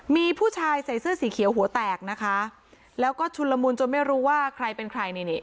มีผู้ชายใส่เสื้อสีเขียวหัวแตกนะคะแล้วก็ชุนละมุนจนไม่รู้ว่าใครเป็นใครนี่นี่